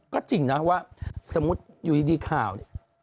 ก็จริงนะว่าสมมุติอยู่ดีข่าวเนี่ย